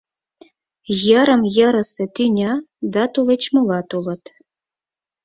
Йырым-йырысе тӱня да тулеч молат улыт.